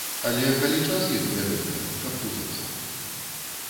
Але калі час ёсць для гэтага, каб тузацца.